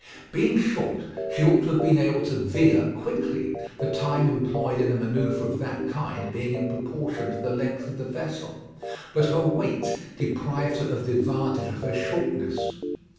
Being short, she ought to have been able to veer quickly the time employed in a manoeuvre of that kind being in proportion to the length of the vessel but her weight deprived her of the advantage of her shortness.